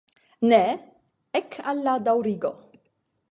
Nu, ek al la daŭrigo!